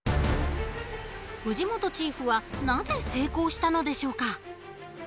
藤本チーフはなぜ成功したのでしょうか？